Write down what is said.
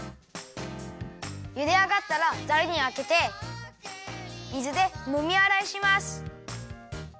ゆであがったらざるにあけてみずでもみあらいします。